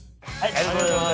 ありがとうございます。